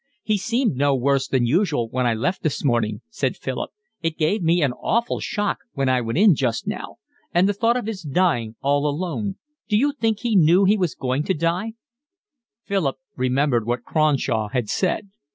"He seemed no worse than usual when I left this morning," said Philip. "It gave me an awful shock when I went in just now. And the thought of his dying all alone…. D'you think he knew he was going to die?" Philip remembered what Cronshaw had said.